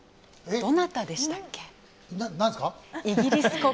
どなたでしたっけ？え？